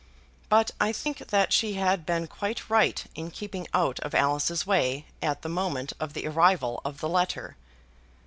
But I think that she had been quite right in keeping out of Alice's way at the moment of the arrival of the letter.